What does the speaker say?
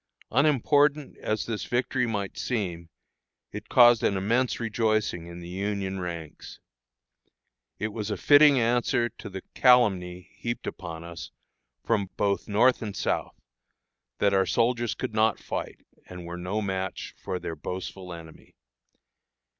Unimportant as this victory might seem, it caused an immense rejoicing in the Union ranks. It was a fitting answer to the calumny heaped upon us from both North and South, that our soldiers could not fight, and were no match for their boastful enemy.